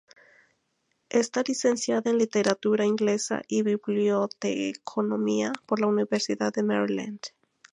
Está licenciada en literatura inglesa y biblioteconomía, por la Universidad de Maryland.